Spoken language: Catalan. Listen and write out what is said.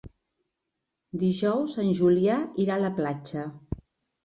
Dijous en Julià irà a la platja.